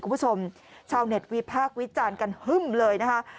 คุณผู้ชมชาวเน็ตวิพากษ์วิจารณ์กันฮึ่มเลยนะคะ